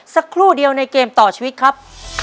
สักครู่เดียวในเกมต่อชีวิตครับ